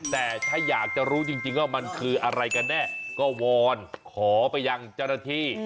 แต่ถ้าอยากจะรู้จริงว่ามันคืออะไรกันแน่ก็วอนขอไปยังเจ้าหน้าที่